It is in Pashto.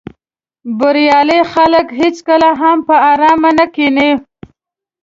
بریالي خلک هېڅکله هم په آرامه نه کیني.